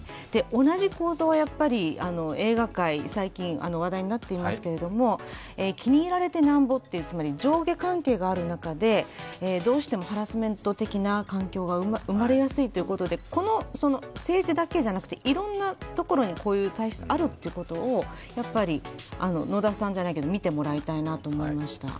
同じ構造、映画界、最近話題になっていますけれども気に入られてなんぼという上下関係がある中でどうしてもハラスメント的な環境が生まれやすいということで政治だけじゃなくて、いろんなところにこういう体質があることをやっぱり野田さんじゃないけど見てもらいたいなと思いました。